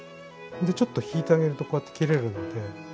ちょっと引いてあげるとこうやって切れるので。